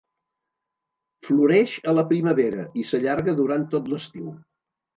Floreix a la primavera i s'allarga durant tot l'estiu.